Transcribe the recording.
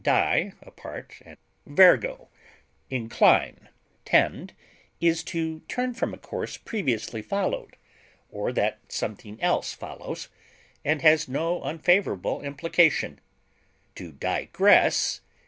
di, apart, and vergo, incline, tend) is to turn from a course previously followed or that something else follows, and has no unfavorable implication; to digress (L.